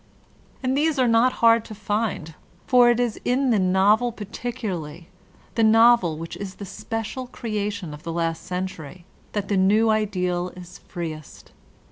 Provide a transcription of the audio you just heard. And these are not hard to find, for it is in the novel particularly, the novel which is the special creation of the last century, that the new ideal is freest.